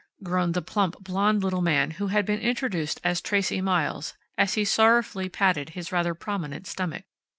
groaned the plump, blond little man who had been introduced as Tracey Miles, as he sorrowfully patted his rather prominent stomach.